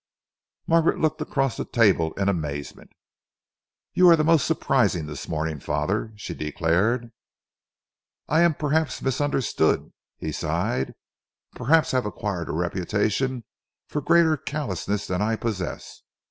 Margaret looked across the table in amazement. "You are most surprising this morning, father," she declared. "I am perhaps misunderstood," he sighed, "perhaps have acquired a reputation for greater callousness than I possess.